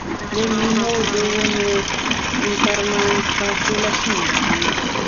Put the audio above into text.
د لیمو د ونو ترمنځ فاصله څومره وي؟